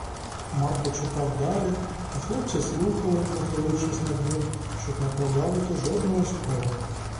Марко читав далі, а хлопці слухали, нахилившись над ним, щоб не проґавити жодного слова.